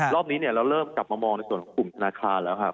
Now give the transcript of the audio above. รอบนี้เราเริ่มกลับมามองในส่วนของกลุ่มธนาคารแล้วครับ